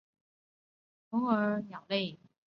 绒额䴓为䴓科䴓属的鸟类。